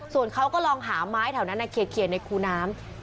ส่วนเขาก็ลองหาไม้แถวนั้นเคลียร์ในคูน้ำ